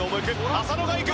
浅野が行く。